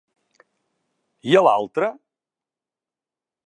I a l'altre?